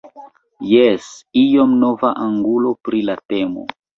Jes, iom nova angulo pri la temo.